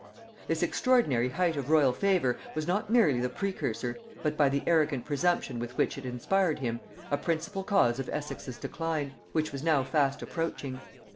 This extraordinary height of royal favor was not merely the precursor, but, by the arrogant presumption with which it inspired him, a principal cause of Essex's decline, which was now fast approaching.